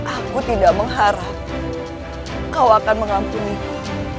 aku tidak mengharap kau akan mengampuni